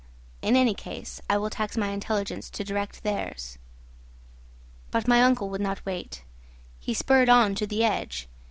In any case, I will tax my intelligence to direct theirs. But my uncle would not wait. He spurred on to the edge.